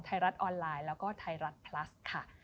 ไทยรัฐออนไลน์แล้วก็ไทยรัฐพลัสค่ะ